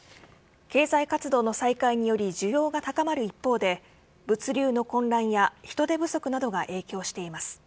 経済活動の再開により需要が高まる一方で物流の混乱や人手不足などが影響しています。